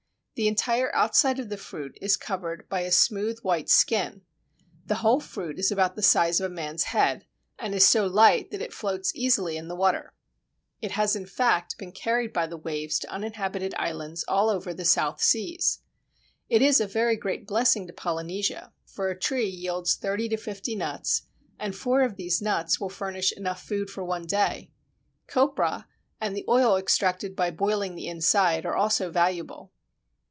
The entire outside of the fruit is covered by a smooth white skin. The whole fruit is about the size of a man's head, and is so light that it floats easily in the water. It has in fact been carried by the waves to uninhabited islands all over the South Seas. It is a very great blessing to Polynesia, for a tree yields thirty to fifty nuts, and four of these nuts will furnish enough food for one day. Coprah and the oil extracted by boiling the inside are also valuable.